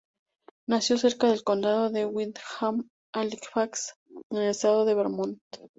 Nació cerca de el condado de Windham Halifax, en el estado de Vermont.